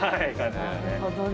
なるほどね。